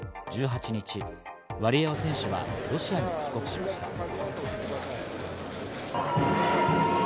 １８日、ワリエワ選手はロシアに帰国しました。